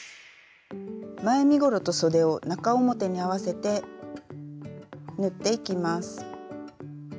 前身ごろとそでを中表に合わせて縫っていきます。